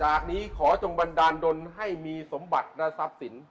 นี้ขอจงบันดาลดนให้มีสมบัติและทรัพย์สิน